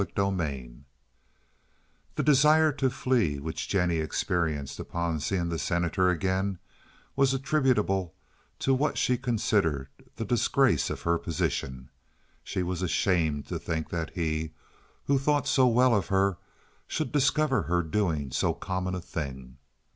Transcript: CHAPTER IV The desire to flee which Jennie experienced upon seeing the Senator again was attributable to what she considered the disgrace of her position. She was ashamed to think that he, who thought so well of her, should discover her doing so common a thing.